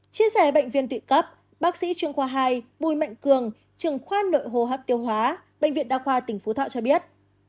chia sẻ bệnh viên tự cấp bác sĩ trường khoa hai bùi mạnh cường trường khoa nội hồ hấp tiêu hóa bệnh viện đa khoa tỉnh phú thọ cho biết